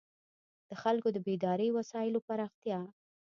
د خلکو د بېدارۍ وسایلو پراختیا.